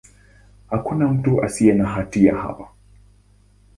Hakuna mtu asiye na hatia hapa.